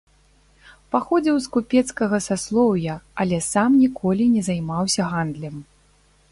Паходзіў з купецкага саслоўя, але сам ніколі не займаўся гандлем.